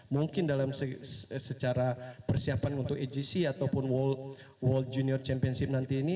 mungkin dalam secara persiapan untuk agc ataupun world junior championship nanti ini